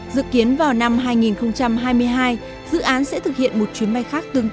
dự kiến vào năm hai nghìn hai mươi hai dự án sẽ thực hiện một chuyến bay khác tương